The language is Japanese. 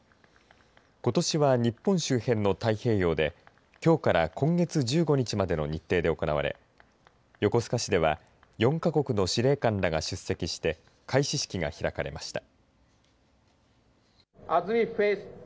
ことしは日本周辺の太平洋できょうから今月１５日までの日程で行われ横須賀市では４か国の司令官らが出席して開始式が開かれました。